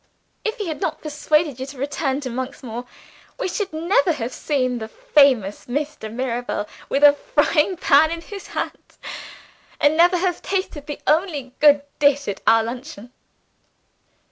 "If he had not persuaded you to return to Monksmoor, we should never have seen the famous Mr. Mirabel with a frying pan in his hand, and never have tasted the only good dish at our luncheon."